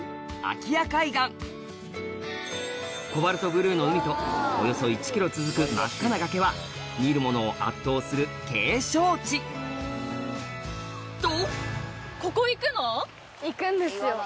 すごいね。の海とおよそ１ｋｍ続く真っ赤な崖は見る者を圧倒する景勝地と！